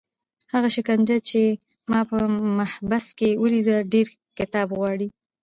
هغه شکنجه چې ما په محبس کې ولیده ډېر کتاب غواړي.